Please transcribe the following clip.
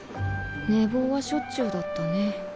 寝坊はしょっちゅうだったね。